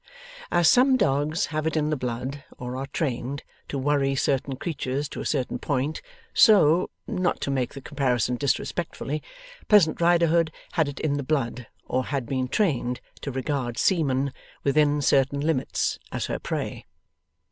As some dogs have it in the blood, or are trained, to worry certain creatures to a certain point, so not to make the comparison disrespectfully Pleasant Riderhood had it in the blood, or had been trained, to regard seamen, within certain limits, as her prey.